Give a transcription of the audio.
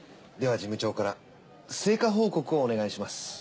では事務長から成果報告をお願いします。